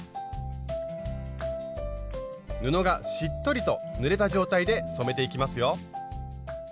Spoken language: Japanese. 布がしっとりとぬれた状態で染めていきますよ。